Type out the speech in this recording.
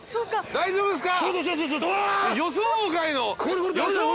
大丈夫ですか？